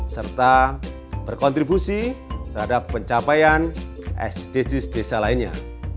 serta berkontribusi terhadap pencapaian sdgs desa lainnya